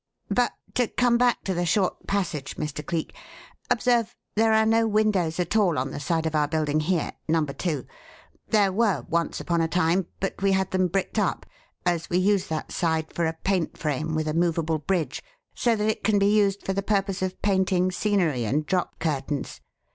"But to come back to the short passage, Mr. Cleek. Observe, there are no windows at all on the side of our building, here: Number 2. There were, once upon a time, but we had them bricked up, as we use that side for a 'paint frame' with a movable bridge so that it can be used for the purpose of painting scenery and drop curtains.